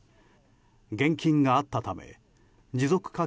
現金があったため持続化